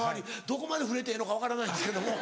どこまで触れてええのか分からないですけども。